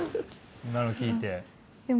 今の聞いて。